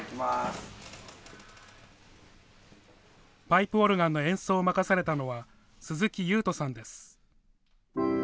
パイプオルガンの演奏を任されたのは、鈴木優翔さんです。